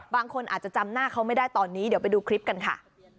บางคนอาจจะจำหน้าเขาไม่ได้ตอนนี้เดี๋ยวไปดูคลิปกันค่ะ